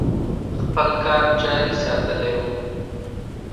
خپل کار جاري ساتلی و.